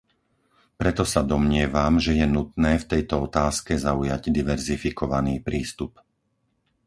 Preto sa domnievam, že je nutné v tejto otázke zaujať diverzifikovaný prístup.